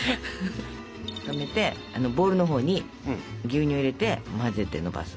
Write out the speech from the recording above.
止めてボールのほうに牛乳を入れて混ぜてのばす。